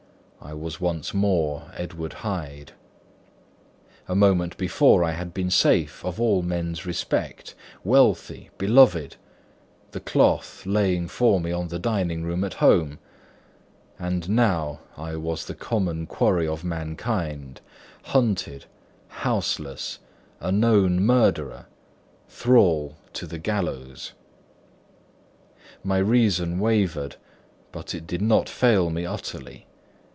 I was once more Edward Hyde. A moment before I had been safe of all men's respect, wealthy, beloved—the cloth laying for me in the dining room at home; and now I was the common quarry of mankind, hunted, houseless, a known murderer, thrall to the gallows. My reason wavered, but it did not fail me utterly.